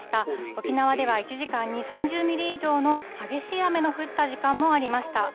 沖縄では１時間に３０ミリ以上の激しい雨の降った時間もありました。